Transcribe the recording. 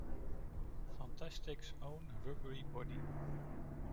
Fantastic's own rubbery body.